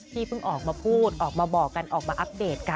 เพิ่งออกมาพูดออกมาบอกกันออกมาอัปเดตกัน